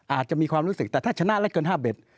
อาจจะมีความรู้สึกแต่ถ้าชนะได้เกิน๕เบ็ด